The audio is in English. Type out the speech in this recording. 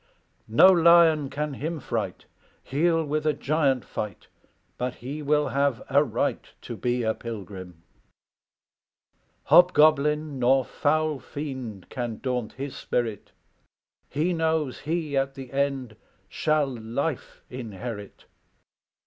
No lion can him fright; He'll with a giant fight, But he will have a right To be a pilgrim. "Hobgoblin nor foul fiend Can daunt his spirit; He knows he at the end Shall life inherit.